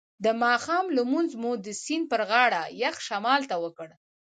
د ماښام لمونځ مو د سیند پر غاړه یخ شمال ته وکړ.